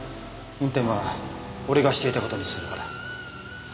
運転は俺がしていた事にするから。